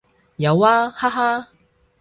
有啊，哈哈